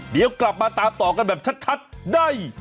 เดี๋ยวกลับมาตามต่อกันแบบชัดได้